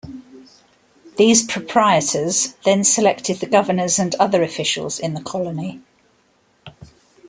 These proprietors then selected the governors and other officials in the colony.